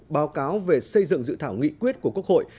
báo cáo về xây dựng dự thảo nghị quyết của quốc hội